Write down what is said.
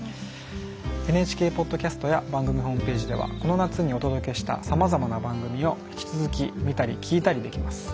ＮＨＫポッドキャストや番組ホームページではこの夏にお届けしたさまざまな番組を引き続き見たり聴いたりできます。